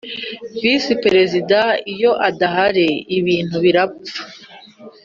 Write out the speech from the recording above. Visi Perezida iyo adahari ibintu birapfa